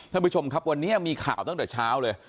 ท่านผู้ชมครับวันนี้มีข่าวตั้งแต่เช้าเลย